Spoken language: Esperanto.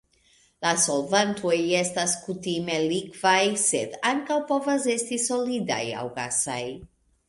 La solvantoj estas kutime likvaj sed ankaŭ povas esti solidaj aŭ gasaj.